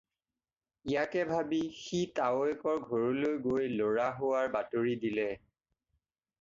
ইয়াকে ভাবি সি তাৱৈয়েকৰ ঘৰলৈ গৈ ল'ৰা হোৱা বাতৰি দিলে।